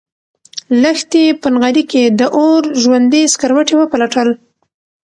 لښتې په نغري کې د اور ژوندي سکروټي وپلټل.